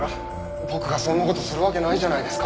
僕がそんな事するわけないじゃないですか。